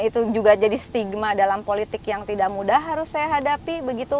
itu juga jadi stigma dalam politik yang tidak mudah harus saya hadapi begitu